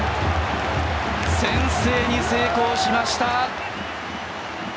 先制に成功しました！